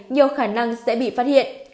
nhiều khả năng sẽ bị phát hiện